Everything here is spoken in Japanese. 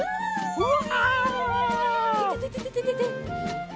うわ！